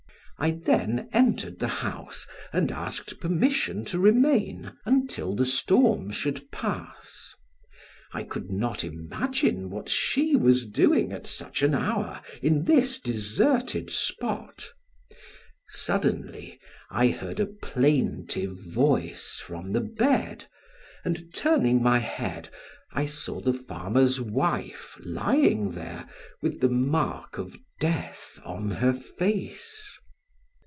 I then entered the house and asked permission to remain until the storm should pass. I could not imagine what she was doing at such an hour in this deserted spot; suddenly, I heard a plaintive voice from the bed, and turning my head, I saw the farmer's wife lying there with the mark of death on her face.